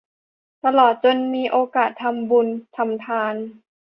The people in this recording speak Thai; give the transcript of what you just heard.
ตลอดจนมีโอกาสทำบุญทำทาน